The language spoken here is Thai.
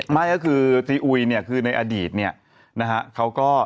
ไม่ก็คือซีอุยคือในอดีตเขาก็